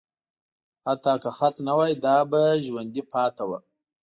حتی که خط نه وای، دا به ژوندي پاتې وو.